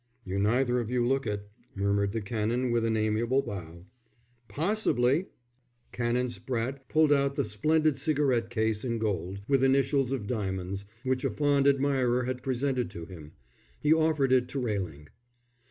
"You neither of you look it," murmured the Canon, with an amiable bow. "Possibly!" Canon Spratte pulled out the splendid cigarette case in gold, with initials of diamonds, which a fond admirer had presented to him. He offered it to Railing.